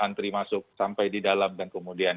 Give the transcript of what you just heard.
antri masuk sampai di dalam dan kemudian